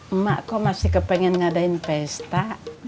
emak kok masih kepengen ngadain pesta